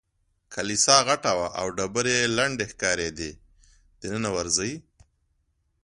کلیسا غټه وه او ډبرې یې لندې ښکارېدې، دننه ورځې؟